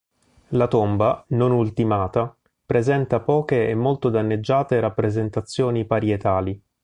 La tomba, non ultimata, presenta poche e molto danneggiate rappresentazioni parietali.